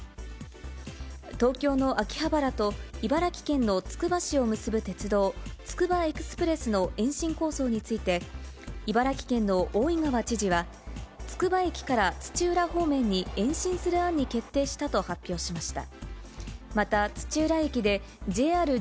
東京の秋葉原と茨城県のつくば市を結ぶ鉄道、つくばエクスプレスの延伸構想について、茨城県の大井川知事は、つくば駅から土浦方面に延伸する案に決定したと発表しました。